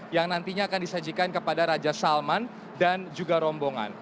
yang nantinya akan disajikan kepada raja salman dan juga rombongan